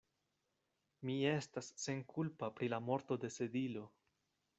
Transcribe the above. Mi estas senkulpa pri la morto de Sedilo.